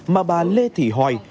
mà bà lê thị hoài